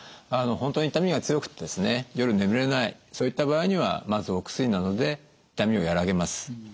本当に痛みが強くてですね夜眠れないそういった場合にはまずお薬などで痛みをやわらげます。